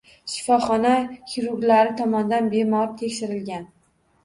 Shifoxonasi xirurglari tomonidan bemor tekshirilgan.